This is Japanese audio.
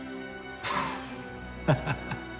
ハハハ。